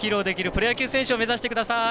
プロ野球選手を目指してください。